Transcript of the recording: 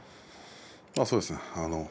そうですね。